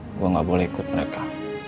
saya tidak boleh ikut mereka